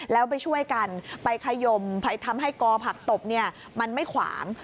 แล้วไปช่วยกันไปขยมไปทำให้กอผักตบมันไม่ขวาง